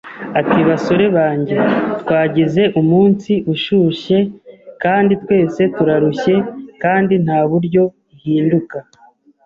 Ati: "Basore banjye, twagize umunsi ushushe kandi twese turarushye kandi nta buryo. Ihinduka